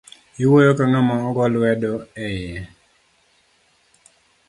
Iwuoyo ka ngama ogo lwedo eiye